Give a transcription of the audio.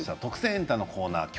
エンタ」のコーナーです。